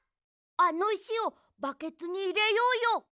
あのいしをバケツにいれようよ。